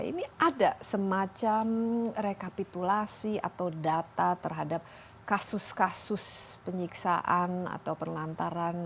ini ada semacam rekapitulasi atau data terhadap kasus kasus penyiksaan atau perlantaran